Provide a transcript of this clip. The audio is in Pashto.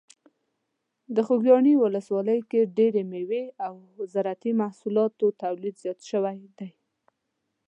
د خوږیاڼي ولسوالۍ کې د ډیری مېوې او زراعتي محصولاتو تولید ډیر زیات دی.